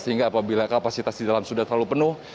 sehingga apabila kapasitas di dalam sudah terlalu penuh